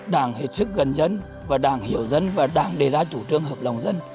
đảng hết sức gần dân và đảng hiểu dân và đảng đề ra chủ trương hợp lòng dân